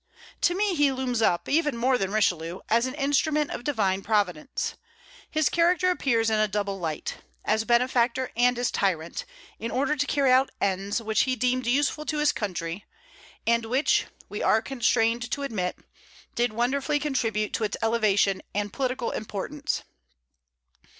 To me he looms up, even more than Richelieu, as an instrument of Divine Providence. His character appears in a double light, as benefactor and as tyrant, in order to carry out ends which he deemed useful to his country, and which, we are constrained to admit, did wonderfully contribute to its elevation and political importance.